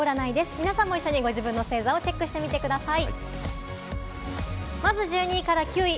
皆さんも一緒にご自身の星座をチェックしてみてください。